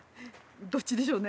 どっちでしょうね。